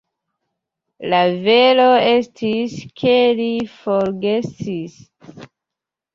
La vero estis, ke li forgesis.